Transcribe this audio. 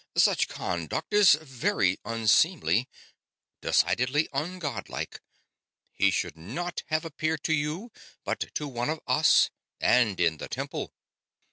Such conduct is very unseemly decidedly ungodlike. He should not have appeared to you, but to one of us, and in the temple."